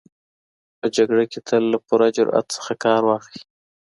په جګړه کي تل له پوره جرئت څخه کار واخلئ.